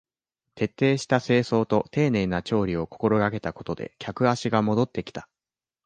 徹底した清掃と丁寧な調理を心がけたことで客足が戻ってきた